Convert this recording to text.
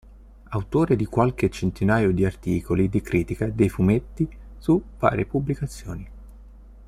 Autore di qualche centinaio di articoli di critica dei fumetti su varie pubblicazioni.